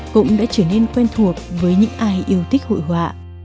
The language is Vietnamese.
cũng đã trở nên quen thuộc với những ai yêu thích hội họa